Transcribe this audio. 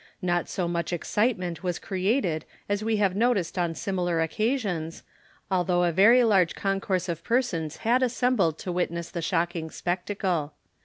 Not so much excitement was created as we have noticed on similar occasions, although a very large concourse of persons had assembled to witness the shocking spectacle.